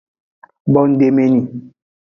Bondemeni.